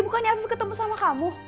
bukannya aku ketemu sama kamu